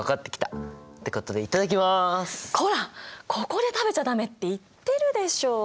ここで食べちゃ駄目って言ってるでしょう！